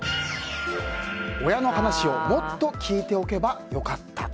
親の話をもっと聞いておけばよかった。